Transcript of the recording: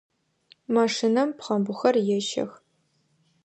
Машинэм пхъэмбгъухэр ещэх.